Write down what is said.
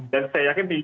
dan saya yakin di sini